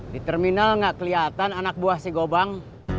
di terminal gak keliatan anak buah si gobang